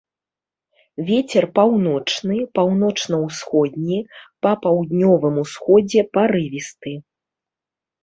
Вецер паўночны, паўночна-ўсходні, па паўднёвым усходзе парывісты.